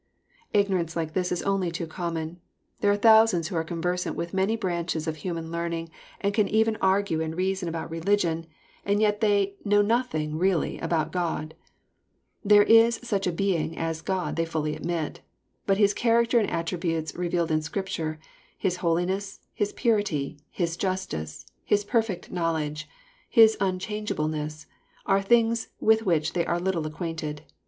Ignorance like this is only too common. There are thousands who are conversant with many branches of human learning, and can even argue and reason about religion, and JOHN, CHAT. vnr. 77 yet know nothing really aboat God. That there is such a Being as God they fully admit. But His character and attributes revealed in Scripture, His holiness, His purity, His justice, His perfect knowledge. His unchangeableness, are things with which they are little acquainted.